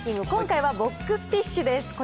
今回はボックスティッシュです。